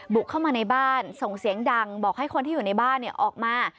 บุกเข้ามาในบ้านส่งเสียงดังบอกให้คนที่อยู่ในบ้านออกมา